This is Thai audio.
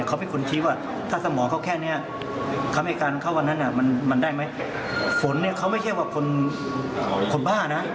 ขอบคุณครับ